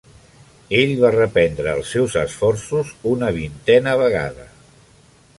Ell va reprendre els seus esforços una vintena vegada.